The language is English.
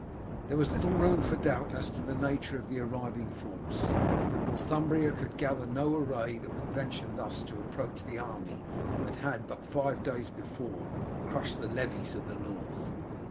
There was little room for doubt as to the nature of the arriving force. Northumbria could gather no array that would venture thus to approach the army that had but five days before crushed the levies of the North.